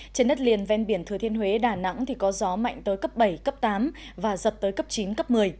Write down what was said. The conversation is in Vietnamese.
trên đất liền ven biển thừa thiên huế đà nẵng có gió mạnh tới cấp bảy cấp tám và giật tới cấp chín cấp một mươi